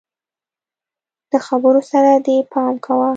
د خبرو سره دي پام کوه!